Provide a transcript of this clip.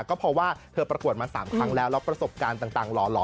ก็เพราะว่าเธอประกวดมา๓ครั้งแล้วแล้วประสบการณ์ต่างหล่อ